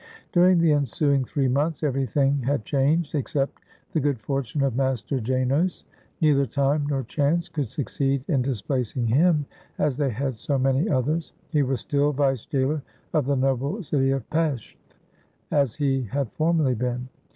During the ensuing three months, everything had changed except the good fortune of Master Janos. Neither time nor chance could succeed in displacing him, as they had so many others. He was still vice jailer of the noble city of Pesth, as he had formerly been.